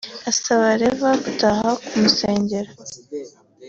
asaba Rev Gataha kumusengera